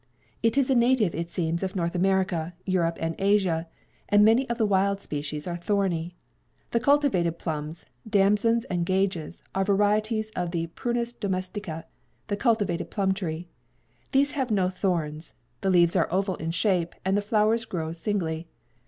It is a native, it seems, of North America, Europe and Asia, and many of the wild species are thorny. The cultivated plums, damsons and gages are varieties of the Prunus domestica, the cultivated plum tree. These have no thorns; the leaves are oval in shape, and the flowers grow singly.